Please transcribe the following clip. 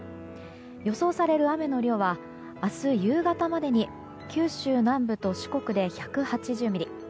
予想される雨の量は明日夕方までに九州南部と四国で１８０ミリ。